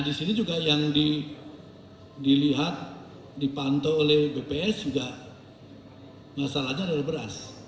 di sini juga yang dilihat dipantau oleh bps juga masalahnya adalah beras